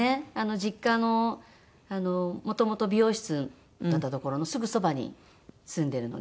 実家のもともと美容室だった所のすぐそばに住んでるので。